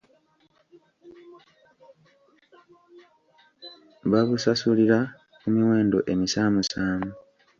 Babusasulira ku miwendo emisaamusaamu.